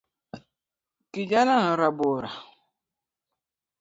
Kijanano rabora.